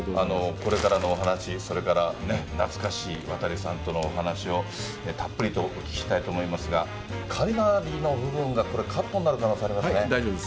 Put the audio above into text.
これからのお話、それから懐かしい渡さんとのお話を、たっぷりとお聞きしたいと思いますが、かなりの部分がこれ、大丈夫です。